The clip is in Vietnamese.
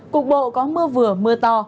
cục bộ có mưa vừa mưa to